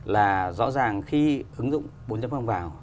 là rõ ràng khi ứng dụng bốn vào